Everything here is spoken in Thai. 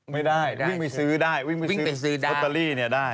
ไม่ได้วิ่งไปซื้อได้วิ่งไปซื้อโรตตอรี่เนี่ยได้